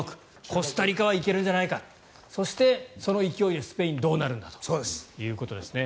コスタリカはいけるんじゃないかそして、その勢いでスペインどうなるんだということですね。